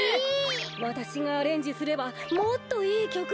わたしがアレンジすればもっといいきょくになる。